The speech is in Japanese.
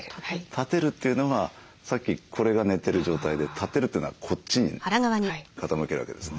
立てるというのはさっきこれが寝てる状態で立てるというのはこっちに傾けるわけですね。